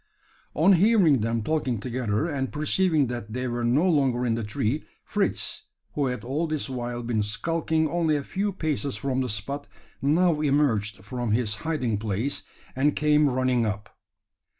On hearing them talking together, and perceiving that they were no longer in the tree, Fritz, who had all this while been skulking only a few paces from the spot, now emerged from his hiding place, and came running up.